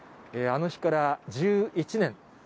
あの日から１１年。